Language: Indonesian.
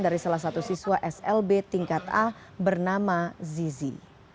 dari salah satu siswa slb tingkat a bernama zizi